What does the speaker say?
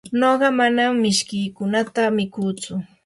nuqa manam mishkiykunata mikutsu.